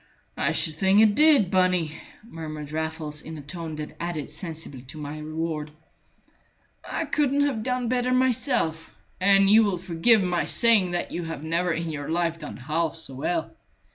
"I should think it did, Bunny," murmured Raffles, in a tone that added sensibly to my reward. "I couldn't have done better myself, and you will forgive my saying that you have never in your life done half so well.